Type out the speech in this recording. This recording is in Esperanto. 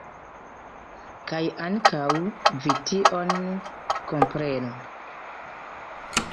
Kaj ankaŭ vi tion komprenu.